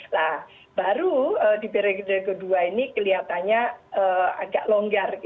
nah baru di periode kedua ini kelihatannya agak longgar